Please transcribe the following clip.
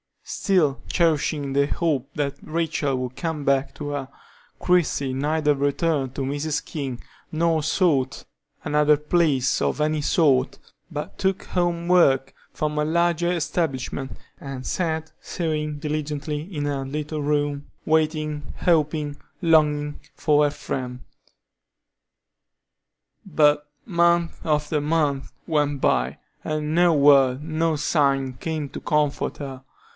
Still cherishing the hope that Rachel would come back to her, Christie neither returned to Mrs. King nor sought another place of any sort, but took home work from a larger establishment, and sat sewing diligently in her little room, waiting, hoping, longing for her friend. But month after month went by, and no word, no sign came to comfort her.